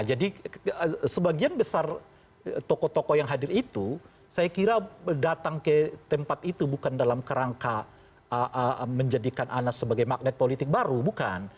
jadi sebagian besar tokoh tokoh yang hadir itu saya kira datang ke tempat itu bukan dalam kerangka menjadikan anas sebagai magnet politik baru bukan